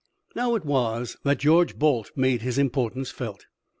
Now it was that George Balt made his importance felt.